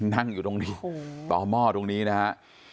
นั่งอยู่ตรงนี้ต่อหม้อตรงนี้นะฮะ